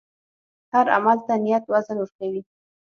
هر عمل ته نیت وزن ورکوي.